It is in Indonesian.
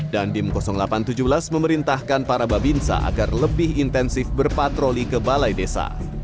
dandim delapan ratus tujuh belas memerintahkan para babinsa agar lebih intensif berpatroli ke balai desa